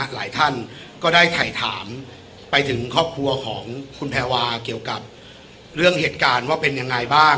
หลายท่านก็ได้ถ่ายถามไปถึงครอบครัวของคุณแพรวาเกี่ยวกับเรื่องเหตุการณ์ว่าเป็นยังไงบ้าง